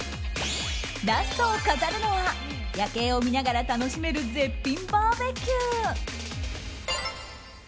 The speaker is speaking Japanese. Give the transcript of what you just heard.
ラストを飾るのは夜景を見ながら楽しめる絶品バーベキュー。